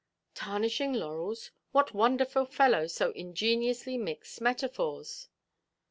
Tarnishing laurels! What wonderful fellow so ingeniously mixed metaphors?